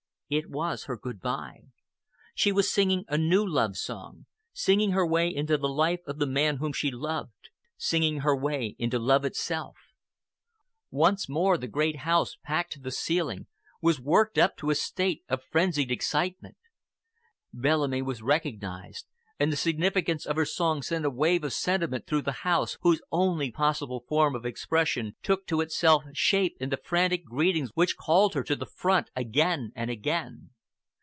It was her good bye. She was singing a new love song, singing her way into the life of the man whom she loved, singing her way into love itself. Once more the great house, packed to the ceiling, was worked up to a state of frenzied excitement. Bellamy was recognized, and the significance of her song sent a wave of sentiment through the house whose only possible form of expression took to itself shape in the frantic greetings which called her to the front again and again.